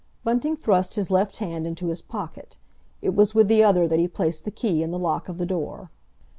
Bunting thrust his left hand into his pocket; it was with the other that he placed the key in the lock of the door.